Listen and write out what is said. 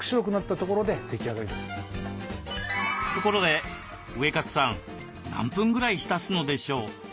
ところでウエカツさん何分ぐらい浸すのでしょう？